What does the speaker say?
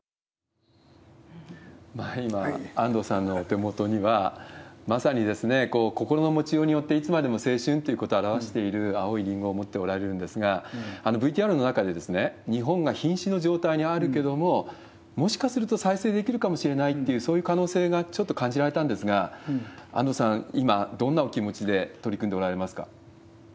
今、安藤さんのお手元には、まさに心の持ちようによっていつまでも青春っていうことを表している青いリンゴを持っておられるんですが、ＶＴＲの中で、日本がひん死の状態にあるけども、もしかすると再生できるかもしれないっていう、そういう可能性がちょっと感じられたんですが、安藤さん、今、どんなお気持ちで取り組んでおられますか？